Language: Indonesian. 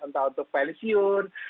entah untuk pensiun